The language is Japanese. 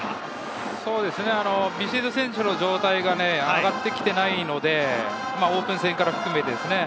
ビシエド選手の状態が上がってきていないので、オープン戦から含めてですね。